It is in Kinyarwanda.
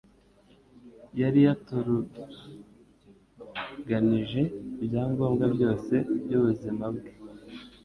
yari yaturuganije ibyangombwa byose by'ubuzima bwe